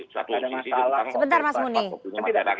sebentar mas muni